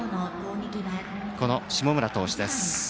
下村投手です。